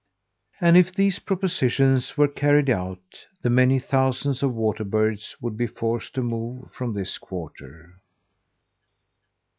And if these propositions were carried out, the many thousands of water birds would be forced to move from this quarter.